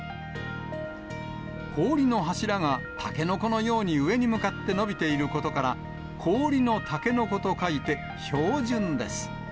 氷の柱がタケノコのように上に向かって伸びていることから、氷のタケノコと書いて氷筍です。